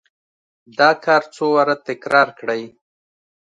دا کار څو واره تکرار کړئ.